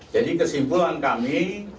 jadi kesimpulan kami